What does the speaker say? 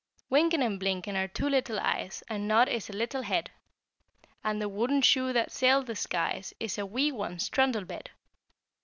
Wynken and Blynken are two little eyes, And Nod is a little head, And the wooden shoe that sailed the skies Is a wee one's trundle bed.